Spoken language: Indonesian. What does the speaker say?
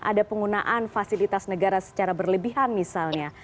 ada penggunaan fasilitas negara secara berlebihan misalnya